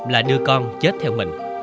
là đưa con chết theo mình